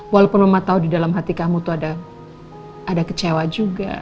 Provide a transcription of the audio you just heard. walaupun mama tahu di dalam hati kamu tuh ada kecewa juga